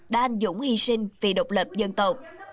đan dũng hy sinh vì độc lập dân tộc